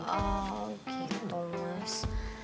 oh gitu mas